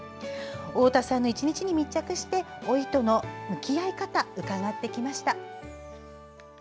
太田さんの１日に密着して老いとの向き合い方伺ってきました。